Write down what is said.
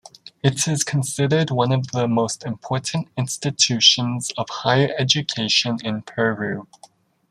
It is considered one of the most important institutions of higher education in Peru.